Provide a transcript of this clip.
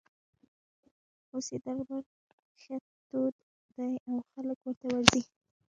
اوس یې دربار ښه تود دی او خلک ورته ورځي.